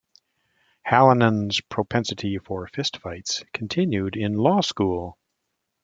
Hallinan's propensity for fistfights continued in law school.